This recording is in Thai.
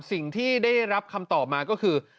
สิ่งที่ได้รับคำตอบมาก็คือ